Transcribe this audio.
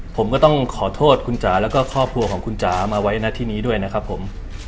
ผมก็ต้องขอโทษคุณจ๋าแล้วก็ครอบครัวของคุณจ๋ามาไว้หน้าที่นี้ด้วยนะครับผม